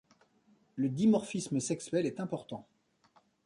Le dimorphisme sexuel est important.